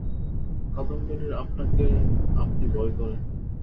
কাদম্বিনীর আপনাকে আপনি ভয় করে।